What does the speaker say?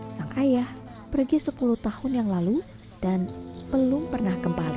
sang ayah pergi sepuluh tahun yang lalu dan belum pernah kembali